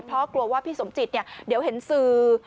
เพราะกลัวว่าพี่สมจิตเนี่ยเดี๋ยวเห็นสื่อ